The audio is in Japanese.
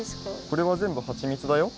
これはぜんぶはちみつだよ。